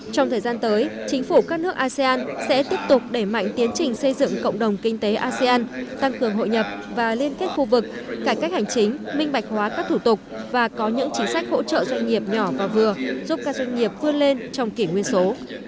trong thời gian tới chính phủ các nước asean sẽ tiếp tục đẩy mạnh tiến trình xây dựng cộng đồng kinh tế asean tăng cường hội nhập và liên kết khu vực cải cách hành chính minh bạch hóa các thủ tục và có những chính sách hỗ trợ doanh nghiệp nhỏ và vừa giúp các doanh nghiệp vươn lên trong kỷ nguyên số